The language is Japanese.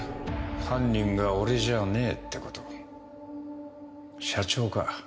犯人が俺じゃねえってこと社長か？